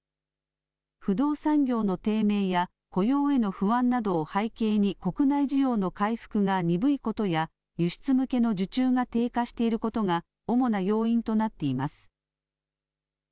不動産業の低迷や雇用への不安などを背景に国内需要の回復が鈍いことや輸出向けの受注が低下していることが主な要因となっています。